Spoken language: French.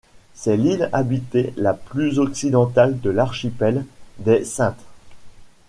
C'est l'île habitée la plus occidentale de l'archipel des Saintes.